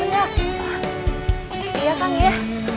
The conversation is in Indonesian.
iya kang ya